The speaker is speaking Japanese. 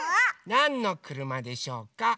なんのくるまでしょうか？